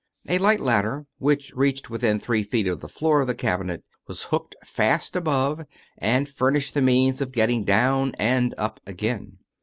A light ladder which reached within three feet of the floor of the cabinet was hooked fast above and furnished the means of getting down and up again.